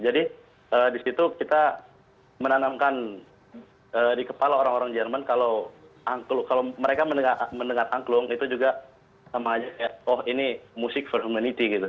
jadi disitu kita menanamkan di kepala orang orang jerman kalau mereka mendengar angklung itu juga sama aja kayak oh ini music for humanity gitu